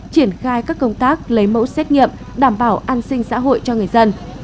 triển khai các công tác lấy mẫu xét nghiệm đảm bảo an sinh xã hội cho người dân